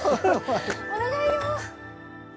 お願いよ。